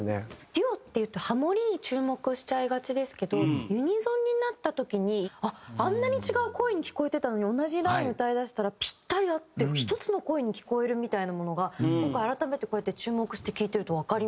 デュオっていうとハモリに注目しちゃいがちですけどユニゾンになった時にあっあんなに違う声に聴こえてたのに同じラインを歌いだしたらぴったり合って１つの声に聴こえるみたいなものが今回改めてこうやって注目して聴いてるとわかりますね。